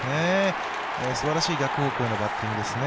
すばらしい逆方向のバッティングですね。